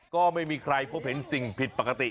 ก็ไม่มีใครพบเห็นสิ่งผิดปกติ